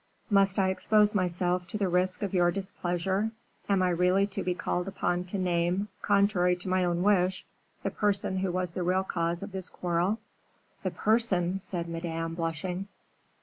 Must I expose myself to the risk of your displeasure, am I really to be called upon to name, contrary to my own wish, the person who was the real cause of this quarrel?" "The person?" said Madame, blushing.